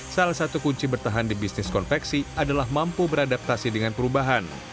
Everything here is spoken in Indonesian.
salah satu kunci bertahan di bisnis konveksi adalah mampu beradaptasi dengan perubahan